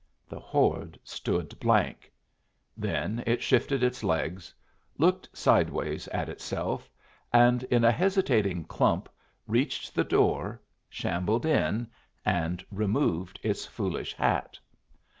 The horde stood blank; then it shifted its legs, looked sideways at itself, and in a hesitating clump reached the door, shambled in, and removed its foolish hat.